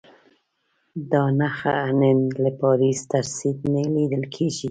دا نښه نن له پاریس تر سیډني لیدل کېږي.